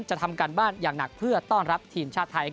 ทำการบ้านอย่างหนักเพื่อต้อนรับทีมชาติไทย